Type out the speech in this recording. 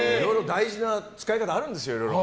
大事な使い方あるんですよ。